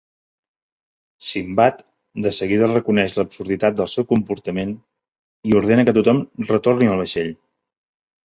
Simbad de seguida reconeix l'absurditat del seu comportament i ordena que tothom retorni al vaixell.